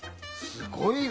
すごい！